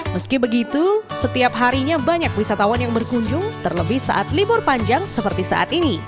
meski begitu setiap harinya banyak wisatawan yang berkunjung terlebih saat libur panjang seperti saat ini